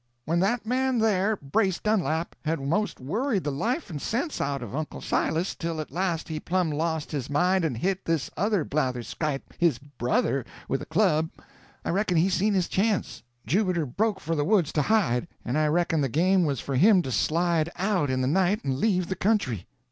When that man there, Bruce Dunlap, had most worried the life and sense out of Uncle Silas till at last he plumb lost his mind and hit this other blatherskite, his brother, with a club, I reckon he seen his chance. Jubiter broke for the woods to hide, and I reckon the game was for him to slide out, in the night, and leave the country.